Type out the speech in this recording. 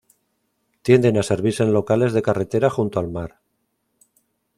Tienden a servirse en locales de carretera junto al mar.